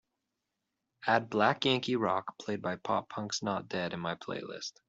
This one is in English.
add Black Yankee Rock played by Pop Punk's Not Dead in my playlist